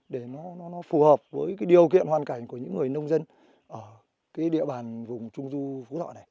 để nó phù hợp với cái điều kiện hoàn cảnh của những người nông dân ở cái địa bàn vùng trung du phú thọ này